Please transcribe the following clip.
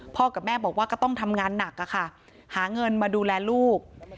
กับแม่บอกว่าก็ต้องทำงานหนักค่ะหาเงินมาดูแลลูก